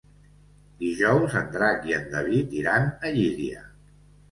Dijous en Drac i en David iran a Llíria.